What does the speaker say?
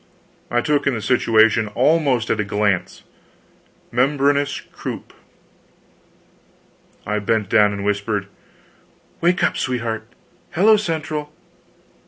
I took in the situation almost at a glance membranous croup! I bent down and whispered: "Wake up, sweetheart! Hello Central."